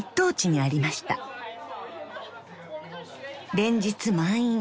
［連日満員。